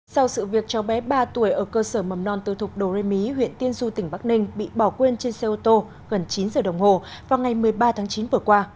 sau sự việc cháu bé ba tuổi ở cơ sở mầm non tư thuộc đồ rê mí huyện tiên du tỉnh bắc ninh bị bỏ quên trên xe ô tô gần chín giờ đồng hồ vào ngày một mươi ba tháng chín vừa qua